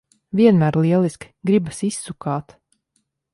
Vienmēr lieliski! Gribas izsukāt.